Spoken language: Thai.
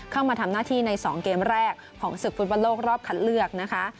เข้ามาทำหน้าที่ใน๒เกมแรกของศึกฟุตบอลโลกรอบคัดเลือกนะคะ